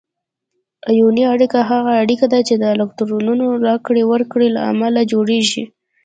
آیوني اړیکه هغه اړیکه ده چې د الکترونونو راکړې ورکړې له امله جوړیږي.